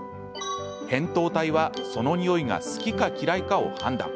扁桃体はその匂いが好きか嫌いかを判断。